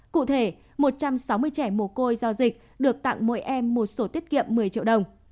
cụ thể một trăm sáu mươi trẻ mùa côi do dịch được tặng mỗi em một số tiết kiệm một mươi triệu đồng